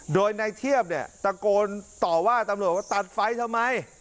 โดยในเทียบเนี่ยตะโกนต่อว่าตำรวจว่าตัดไฟทำไม